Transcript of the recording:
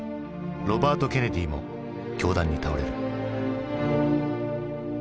ロバート・ケネディも凶弾に倒れる。